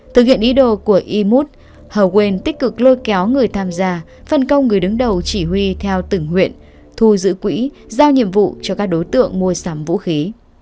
thực hiện ý đồ của imut hờ quên tích cực lôi kéo người tham gia phân công người đứng đầu chỉ huy theo từng huyện thu giữ quỹ giao nhiệm vụ cho các đối tượng mua sắm vũ khí